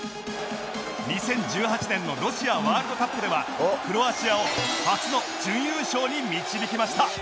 ２０１８年のロシアワールドカップではクロアチアを初の準優勝に導きました